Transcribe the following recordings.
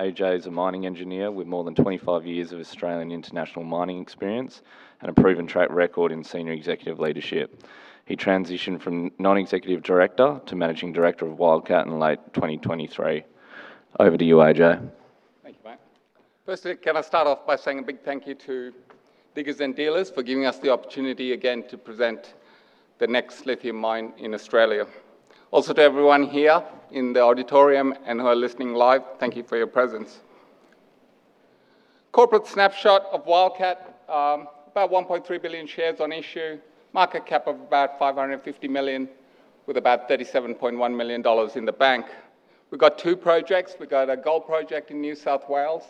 AJ is a mining engineer with more than 25 years of Australian international mining experience and a proven track record in senior executive leadership. He transitioned from non-executive director to managing director of Wildcat in late 2023. Over to you, AJ. Thank you, mate. Firstly, can I start off by saying a big thank you to Diggers & Dealers for giving us the opportunity again to present the next lithium mine in Australia. Also, to everyone here in the auditorium and who are listening live, thank you for your presence. Corporate snapshot of Wildcat. About 1.3 billion shares on issue, market cap of about 550 million, with about 37.1 million dollars in the bank. We've got two projects. We've got a gold project in New South Wales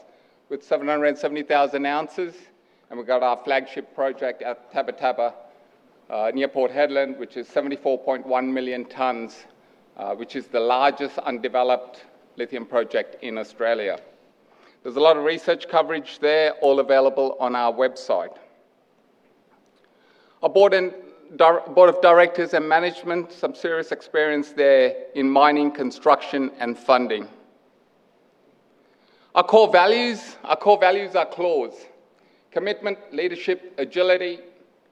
with 770,000 oz, and we've got our flagship project at Tabba Tabba, near Port Hedland, which is 74.1 million tonnes, which is the largest undeveloped lithium project in Australia. There's a lot of research coverage there, all available on our website. Our board of directors and management, some serious experience there in mining, construction, and funding. Our core values are CLAW: commitment, leadership, agility,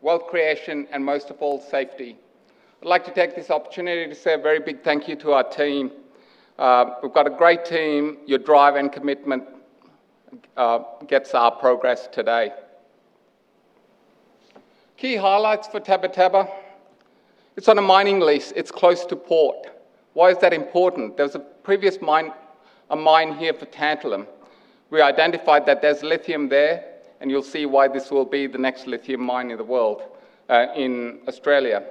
wealth creation, and most of all, safety. I'd like to take this opportunity to say a very big thank you to our team. We've got a great team. Your drive and commitment gets our progress today. Key highlights for Tabba Tabba. It's on a mining lease. It's close to port. Why is that important? There was a previous mine here for tantalum. We identified that there's lithium there, and you'll see why this will be the next lithium mine in the world, in Australia.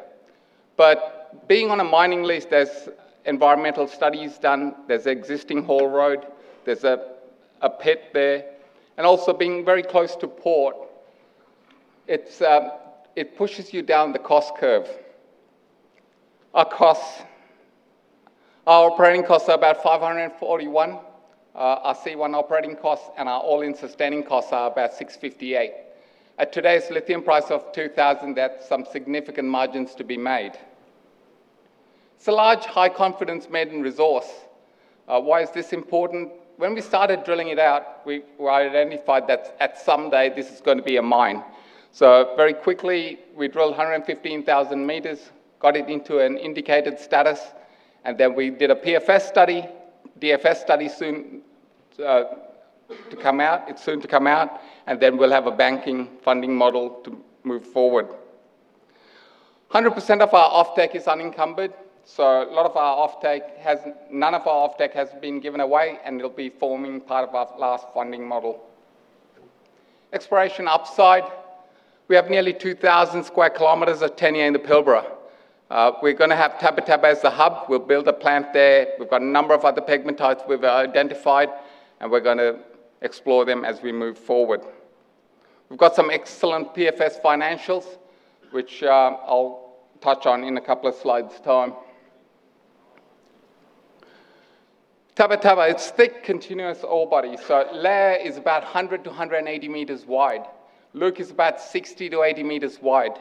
Being on a mining lease, there's environmental studies done. There's an existing haul road. There's a pit there. Also, being very close to port, it pushes you down the cost curve. Our operating costs are about $541 per tonne. Our C1 operating costs and our all-in sustaining costs are about $658 per tonne. At today's lithium price of 2,000, that's some significant margins to be made. It's a large, high-confidence maiden resource. Why is this important? When we started drilling it out, we identified that at some day this is going to be a mine. Very quickly, we drilled 115,000 m, got it into an indicated status, and then we did a PFS study. DFS study, it's soon to come out, and then we'll have a banking funding model to move forward. 100% of our offtake is unencumbered. None of our offtake has been given away, and it'll be forming part of our last funding model. Exploration upside. We have nearly 2,000 sq km of tenure in the Pilbara. We're going to have Tabba Tabba as the hub. We'll build a plant there. We've got a number of other pegmatites we've identified, and we're going to explore them as we move forward. We've got some excellent PFS financials, which I'll touch on in a couple of slides' time. Tabba Tabba, it's thick, continuous ore body. Leia is about 100 m-180 m wide. Luke is about 60 m-80 m wide.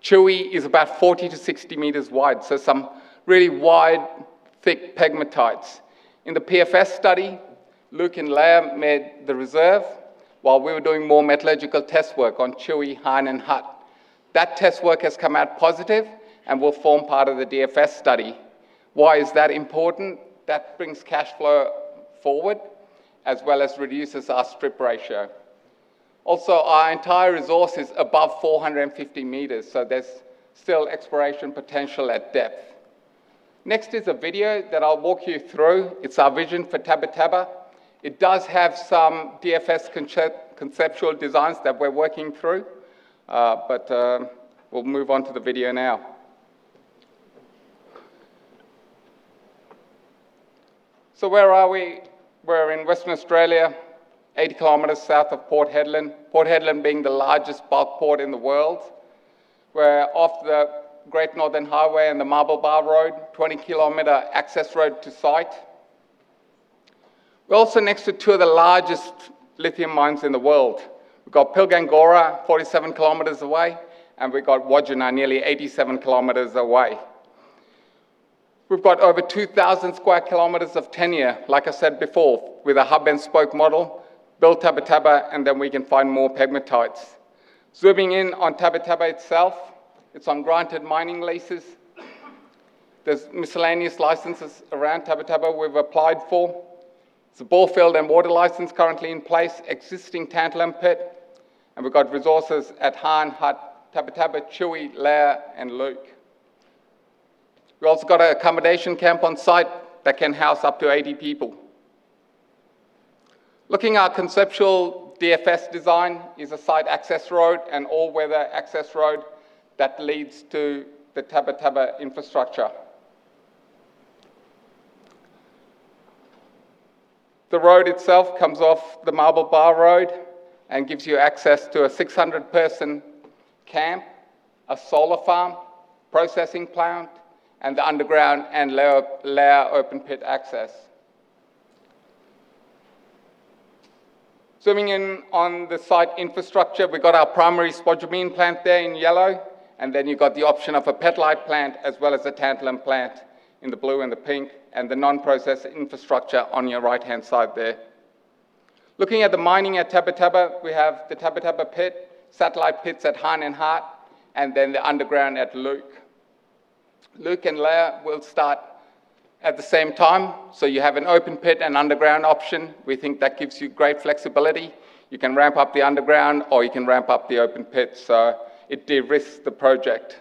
Chewy is about 40 m-60 m wide. Some really wide, thick pegmatites. In the PFS study, Luke and Leia made the reserve while we were doing more metallurgical test work on Chewy, Han, and Hutt. That test work has come out positive and will form part of the DFS study. Why is that important? That brings cash flow forward as well as reduces our strip ratio. Our entire resource is above 450 m, so there's still exploration potential at depth. Next is a video that I'll walk you through. It's our vision for Tabba Tabba. It does have some DFS conceptual designs that we're working through. We'll move on to the video now. Where are we? We're in Western Australia, 80 km south of Port Hedland, Port Hedland being the largest bulk port in the world. We're off the Great Northern Highway and the Marble Bar Road, 20-km access road to site. We're also next to two of the largest lithium mines in the world. We've got Pilgangoora 47 km away, and we've got Wodgina nearly 87 km away. We've got over 2,000 sq km of tenure, like I said before, with a hub-and-spoke model. Build Tabba Tabba, we can find more pegmatites. Zooming in on Tabba Tabba itself, it's on granted mining leases. There's miscellaneous licenses around Tabba Tabba we've applied for. There's a bore field and water license currently in place, existing tantalum pit, and we've got resources at Han, Hutt, Tabba Tabba, Chewy, Leia, and Luke. We've also got an accommodation camp on site that can house up to 80 people. Looking at our conceptual DFS design is a site access road, an all-weather access road that leads to the Tabba Tabba infrastructure. The road itself comes off the Marble Bar Road and gives you access to a 600-person camp, a solar farm, processing plant, and the underground and Leia open-pit access. Zooming in on the site infrastructure, we've got our primary spodumene plant there in yellow, you've got the option of a petalite plant as well as a tantalum plant in the blue and the pink, the non-process infrastructure on your right-hand side there. Looking at the mining at Tabba Tabba, we have the Tabba Tabba pit, satellite pits at Han and Hutt, the underground at Luke. Luke and Leia will start at the same time, you have an open pit and underground option. We think that gives you great flexibility. You can ramp up the underground or you can ramp up the open pit, it de-risks the project.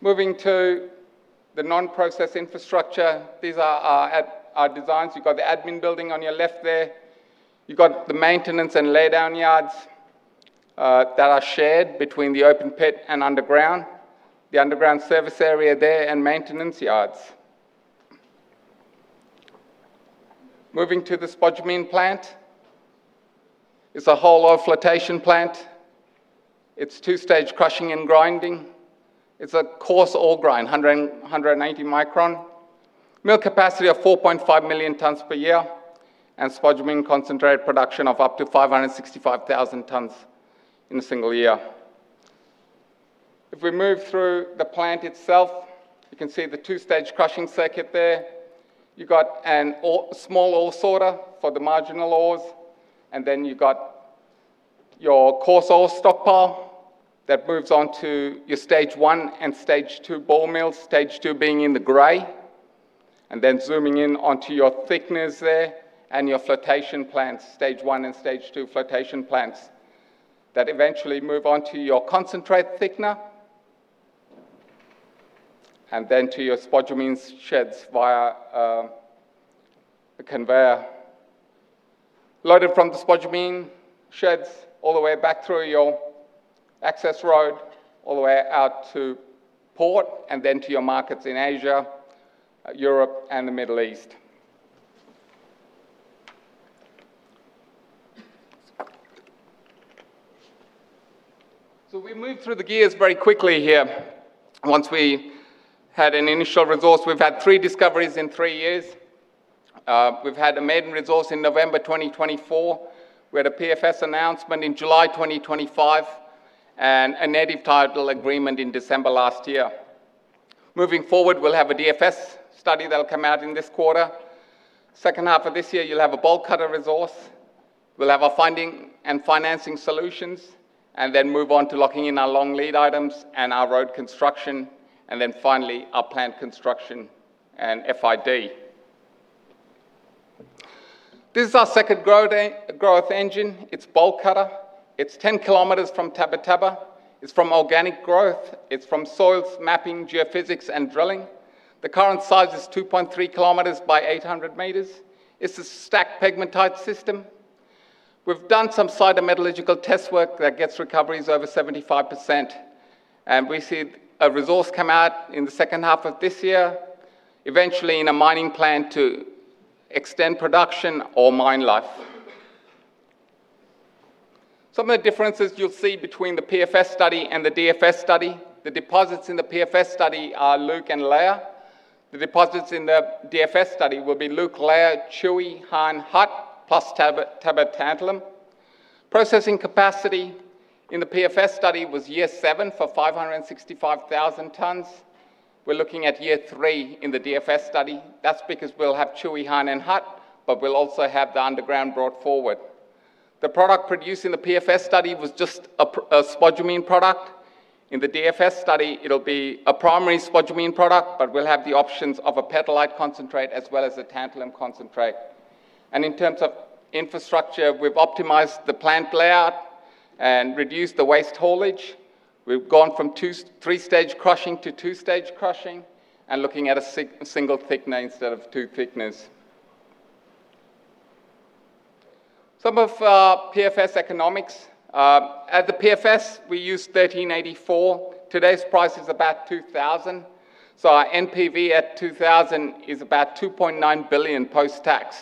Moving to the non-process infrastructure. These are our designs. You've got the admin building on your left there. You've got the maintenance and laydown yards that are shared between the open pit and underground. The underground service area there, and maintenance yards. Moving to the spodumene plant. It's a whole-ore flotation plant. It's two-stage crushing and grinding. It's a coarse ore grind, 180 micron. Mill capacity of 4.5 million tonnes per year, and spodumene concentrate production of up to 565,000 tonnes in a single year. If we move through the plant itself, you can see the two-stage crushing circuit there. You've got a small ore sorter for the marginal ores, and then you've got your coarse ore stockpile that moves on to your stage 1 and stage 2 ball mills, stage 2 being in the gray. Then zooming in onto your thickeners there and your flotation plants, stage 1 and stage 2 flotation plants. That eventually move on to your concentrate thickener and then to your spodumene sheds via a conveyor. Loaded from the spodumene sheds all the way back through your access road, all the way out to port, and then to your markets in Asia, Europe, and the Middle East. We've moved through the gears very quickly here. Once we had an initial resource, we've had three discoveries in three years. We've had a maiden resource in November 2024. We had a PFS announcement in July 2025, and a native title agreement in December last year. Moving forward, we'll have a DFS study that'll come out in this quarter. Second half of this year, you'll have a Bolt Cutter resource. We'll have our finding and financing solutions, then move on to locking in our long lead items and our road construction, and then finally, our plant construction and FID. This is our second growth engine. It's Bolt Cutter. It's 10 km from Tabba Tabba. It's from organic growth. It's from soils mapping, geophysics, and drilling. The current size is 2.3 km by 800 m. It's a stacked pegmatite system. We've done some geometallurgical test work that gets recoveries over 75%, and we see a resource come out in the second half of this year, eventually in a mining plan to extend production or mine life. Some of the differences you'll see between the PFS study and the DFS study. The deposits in the PFS study are Luke and Leia. The deposits in the DFS study will be Luke, Leia, Chewie, Han, Hutt, plus Tabba tantalum. Processing capacity in the PFS study was year seven for 565,000 tonnes. We're looking at year three in the DFS study. That's because we'll have Chewie, Han, and Hutt, but we'll also have the underground brought forward. The product produced in the PFS study was just a spodumene product. In the DFS study, it'll be a primary spodumene product, but we'll have the options of a petalite concentrate as well as a tantalum concentrate. In terms of infrastructure, we've optimized the plant layout and reduced the waste haulage. We've gone from three-stage crushing to two-stage crushing and looking at a single thickener instead of two thickeners. Some of PFS economics. At the PFS, we used 1,384. Today's price is about 2,000. Our NPV at 2,000 is about 2.9 billion post-tax.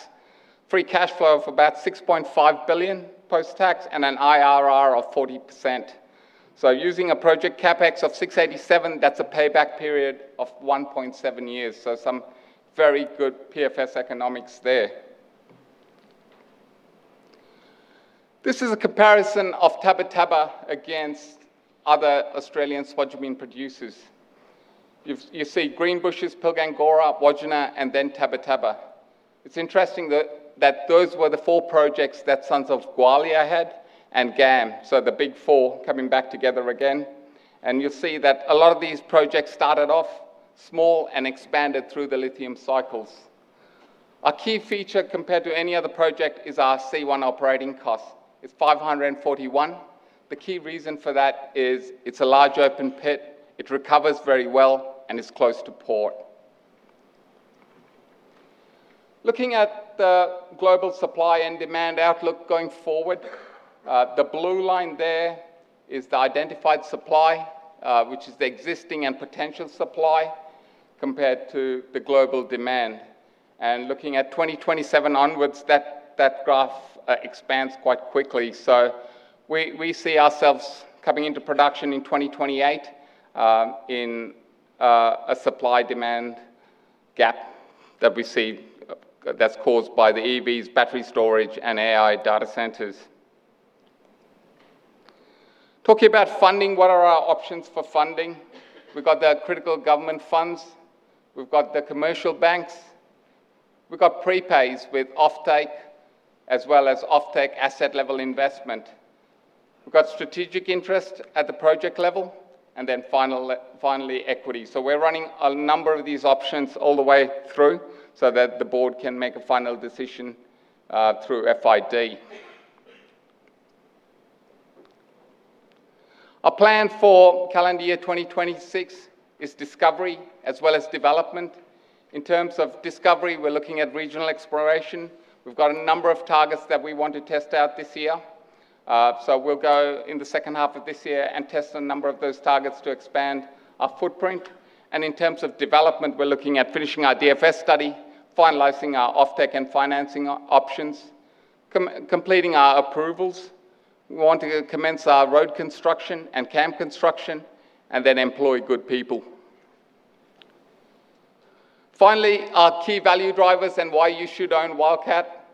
Free cash flow of about 6.5 billion post-tax and an IRR of 40%. Using a project CapEx of 687 million, that's a payback period of 1.7 years. Some very good PFS economics there. This is a comparison of Tabba Tabba against other Australian spodumene producers. You see Greenbushes, Pilgangoora, Wodgina, and then Tabba Tabba. It's interesting that those were the four projects that Sons of Gwalia had and GAM, the big four coming back together again. You'll see that a lot of these projects started off small and expanded through the lithium cycles. A key feature compared to any other project is our C1 operating cost. It's $541 per tonne. The key reason for that is it's a large open pit, it recovers very well, and it's close to port. Looking at the global supply and demand outlook going forward. The blue line there is the identified supply, which is the existing and potential supply compared to the global demand. Looking at 2027 onwards, that graph expands quite quickly. We see ourselves coming into production in 2028. In a supply-demand gap that we see that's caused by the EVs, battery storage, and AI data centers. Talking about funding, what are our options for funding? We've got the critical government funds. We've got the commercial banks. We've got prepays with offtake as well as offtake asset-level investment. We've got strategic interest at the project level, finally, equity. We're running a number of these options all the way through so that the board can make a final decision through FID. Our plan for calendar year 2026 is discovery as well as development. In terms of discovery, we're looking at regional exploration. We've got a number of targets that we want to test out this year. We'll go in the second half of this year and test a number of those targets to expand our footprint. In terms of development, we're looking at finishing our DFS study, finalizing our offtake and financing options, completing our approvals. We want to commence our road construction and camp construction, employ good people. Finally, our key value drivers and why you should own Wildcat.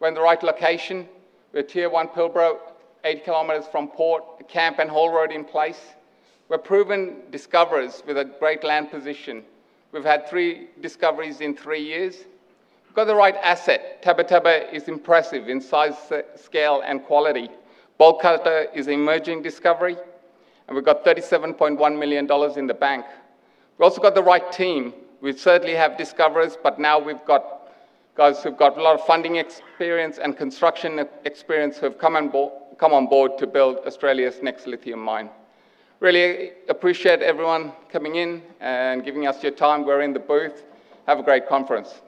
We're in the right location. We're tier 1 Pilbara, 8 km from port, a camp and haul road in place. We're proven discoverers with a great land position. We've had three discoveries in three years. We've got the right asset. Tabba Tabba is impressive in size, scale, and quality. Bolt Cutter is an emerging discovery, and we've got 37.1 million dollars in the bank. We've also got the right team. We certainly have discoverers, but now we've got guys who've got a lot of funding experience and construction experience who have come on board to build Australia's next lithium mine. Really appreciate everyone coming in and giving us your time. We're in the booth. Have a great conference.